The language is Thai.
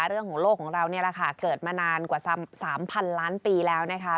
เรื่องของโลกของเรานี่แหละค่ะเกิดมานานกว่า๓๐๐๐ล้านปีแล้วนะคะ